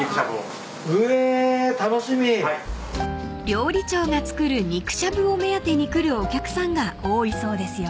［料理長が作る肉しゃぶを目当てに来るお客さんが多いそうですよ］